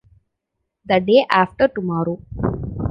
The day after tomorrow.